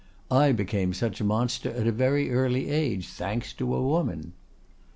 I became such a monster at a very early age, thanks to a woman."